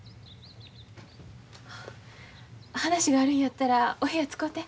話があるんやったらお部屋使うて。